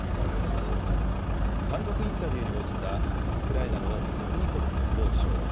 単独インタビューに応じた、ウクライナのレズニコフ国防相。